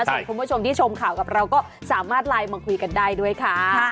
ส่วนคุณผู้ชมที่ชมข่าวกับเราก็สามารถไลน์มาคุยกันได้ด้วยค่ะ